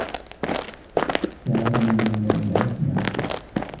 دعى سامي ليلى للعيش معه.